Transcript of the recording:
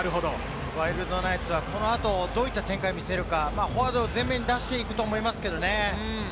ワイルドナイツはこの後どういった展開を見せるか、フォワードを前面に出していくと思いますけれどもね。